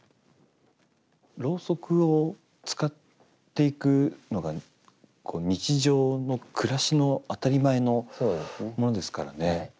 ろうそくを使っていくのが日常の暮らしの当たり前のものですからね。